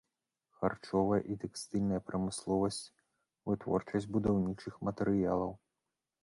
Харчовая і тэкстыльная прамысловасць, вытворчасць будаўнічых матэрыялаў.